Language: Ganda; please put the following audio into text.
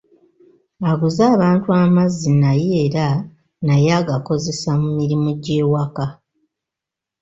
Aguza abantu amazzi naye era naye agakozesa mu mirimu gy'ewaka.